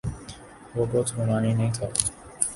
وہ بہت رومانی نہیں تھا۔